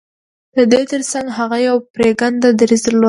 د دې ترڅنګ هغه يو پرېکنده دريځ درلود.